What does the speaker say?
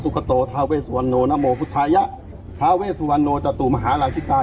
สุขโตทาเวสวรรค์น้าโมพุทธาทาเวสวรรค์จตุมหาราชิกา